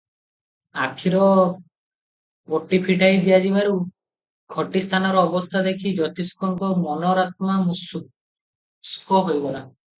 ଆଖିର ପଟି ଫିଟାଇ ଦିଆଯିବାରୁ ଖଟି ସ୍ଥାନର ଅବସ୍ଥା ଦେଖି ଜ୍ୟୋତିଷଙ୍କ ଅନ୍ତରାତ୍ମା ଶୁଷ୍କ ହୋଇଗଲା ।